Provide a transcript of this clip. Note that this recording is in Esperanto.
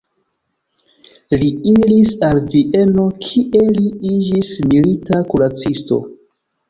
Li iris al Vieno kie li iĝis milita kuracisto.